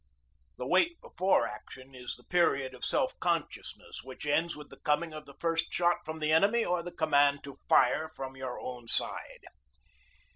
The wait before action is the period of self conscious ness, which ends with the coming of the first shot from the enemy or the command to "Fire!" from your own side.